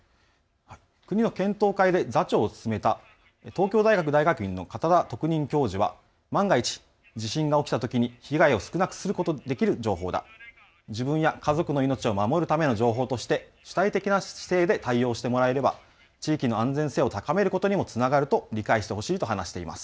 国の検討会で座長を務めた東京大学大学院の片田特任教授は万が一、地震が起きたときに被害を少なくできる情報、自分や家族の命を守るための情報として主体的な姿勢で対応してもらえれば地域の安全性を高めることにもつながると理解してほしいと話しています。